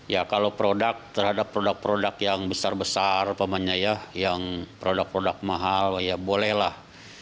ya kalau produk terhadap produk produk yang besar besar yang produk produk mahal ya bolehlah